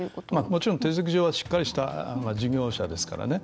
もちろん、手続き上はしっかりした事業者ですからね。